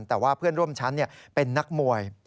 แต่ว่าเพื่อนร่วมชั้นเป็นนักมวย